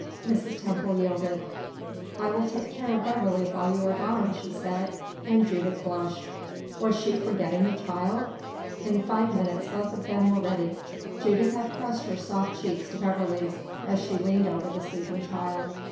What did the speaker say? Mrs. Temple yielded. "I will take care of Beverley while you are gone," she said, and Judith blushed. Was she forgetting the child? In five minutes both of them were ready. Judith had pressed her soft cheeks to Beverley's as she leaned over the sleeping child.